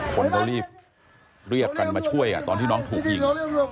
คนก็รีบเรียกกันมาช่วยตอนที่น้องถูกยิง